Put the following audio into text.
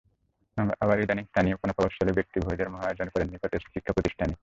আবার ইদানীং স্থানীয় কোনো প্রভাবশালী ব্যক্তি ভোজের মহা আয়োজন করেন নিকটের শিক্ষাপ্রতিষ্ঠানে।